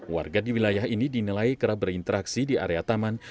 warga di wilayah ini dinilai kerap berinteraksi di area taman